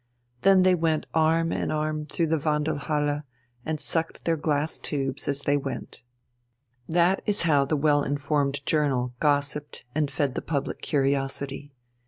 Then they went arm in arm through the Wandelhalle and sucked their glass tubes as they went.... That is how the well informed journal gossiped and fed the public curiosity.